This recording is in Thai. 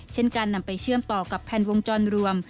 เช่นการนำไปเชื่อมต่อกับแผ่นวงจรรวม